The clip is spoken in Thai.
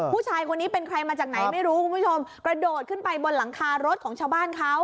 ผู้ชายคนนี้เป็นใครมาจากไหนไม่รู้คุณผู้ชมกระโดดขึ้นไปบนหลังคารถของชาวบ้านเขา